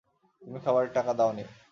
তুমি খাবারের টাকা দাওনি।